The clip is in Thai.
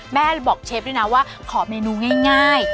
แม่บอกเชฟด้วยนะว่าขอเมนูง่าย